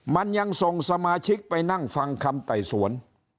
มันยังส่งสมาชิกไปนั่งฟังคำไต่สวน